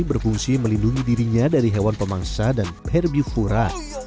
berfungsi melindungi dirinya dari hewan pemangsa dan ferbivora